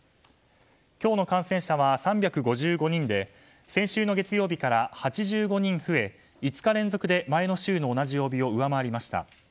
今日の感染者は３５５人で先週の月曜日から８５人増え５日連続で前の週の同じ曜日を上回りました。